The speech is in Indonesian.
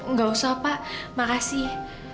nggak usah pak makasih